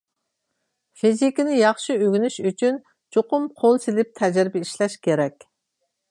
فىزىكىنى ياخشى ئۆگىنىش ئۈچۈن، چوقۇم قول سېلىپ تەجرىبە ئىشلەش كېرەك.